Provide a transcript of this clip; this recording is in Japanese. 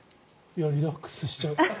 リラックスしちゃう。